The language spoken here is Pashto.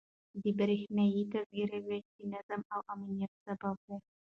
د بریښنایي تذکرو ویش د نظم او امنیت سبب دی.